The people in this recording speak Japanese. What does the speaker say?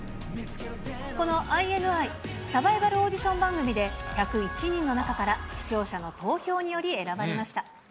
このＩＮＩ、サバイバルオーディション番組で、１０１人の中から、視聴者の投票により、選ばれました。